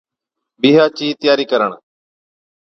بِيھا چِي تياري ڪرڻ